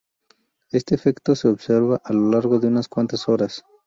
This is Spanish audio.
Este efecto se observa a lo largo de unas cuantas horas.